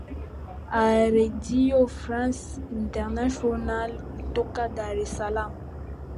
a redio france international kutoka dar es salaam